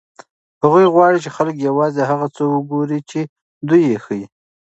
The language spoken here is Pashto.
هغوی غواړي چې خلک یوازې هغه څه وګوري چې دوی یې ښيي.